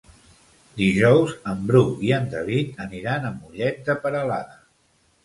Dijous en Bru i en David aniran a Mollet de Peralada.